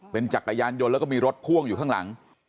เป็นจักรยานยนต์แล้วก็มีรถพ่วงอยู่ข้างหลัง